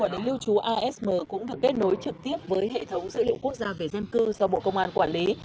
dịch vụ asm cũng được kết nối trực tiếp với hệ thống dữ liệu quốc gia về dân cư do bộ công an quản lý